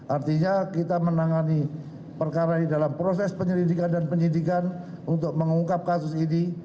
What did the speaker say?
artinya kita menangani perkara ini dalam proses penyelidikan dan penyidikan untuk mengungkap kasus ini